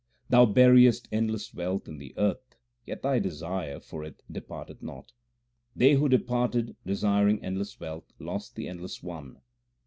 Thou buriest endless wealth in the earth, yet thy desire for it depart eth not. 2 They who departed desiring endless wealth lost the Endless One.